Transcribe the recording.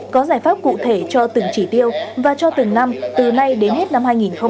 có giải pháp cụ thể cho từng chỉ tiêu và cho từng năm từ nay đến hết năm hai nghìn hai mươi